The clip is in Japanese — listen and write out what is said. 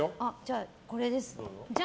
これです。